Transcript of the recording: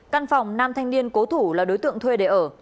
căn phòng nam thanh niên cố thủ là đối tượng thuê để ở